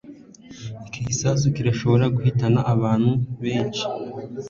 iki gisasu kirashobora guhitana abantu benshi